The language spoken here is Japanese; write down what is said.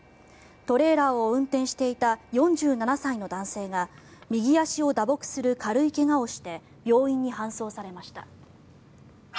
トレーラーを運転していた４７歳の男性が右足を打撲する軽い怪我をして病院に搬送されました。